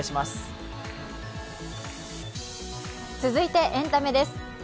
続いてエンタメです。